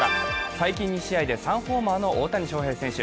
最近２試合で３ホーマーの大谷翔平選手。